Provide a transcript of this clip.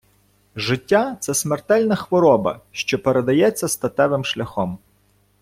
життя-це смертельна хвороба, що передається статевим шляхом